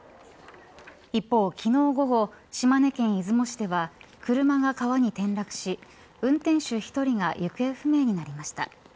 一方、昨日午後島根県出雲市では車が川に転落し運転手１人が行方不明になりました。